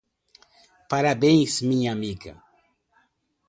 Parabéns minha amiga.